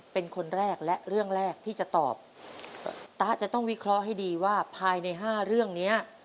เป็นคนแรกและเรื่องแรกที่จะตอบตะจะต้องวิเคราะห์ให้ดีว่าภายในห้าเรื่องเนี้ย